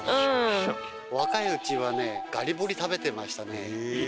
若いうちはねガリボリ食べてましたね。